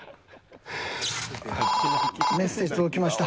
メッセージ届きました。